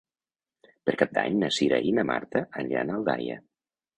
Per Cap d'Any na Cira i na Marta aniran a Aldaia.